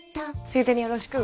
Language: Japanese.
ついでによろしく！